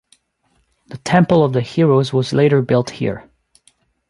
The Temple of the Heroes was later built here.